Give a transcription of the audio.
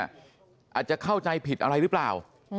อาจจะเข้าใจผิดอะไรหรือเปล่า